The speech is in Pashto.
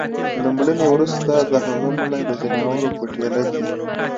له مړيني وروسته د هغه مړى د ځناورو په ټېله کي